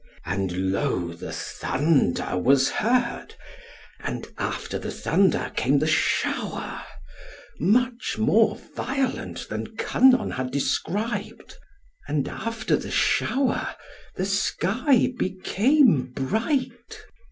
And lo, the thunder was heard, and after the thunder came the shower, much more violent than Kynon had described, and after the shower, the sky became bright.